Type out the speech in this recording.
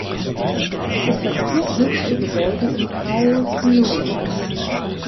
Es ist das vierthöchste Gebäude in Kaohsiung.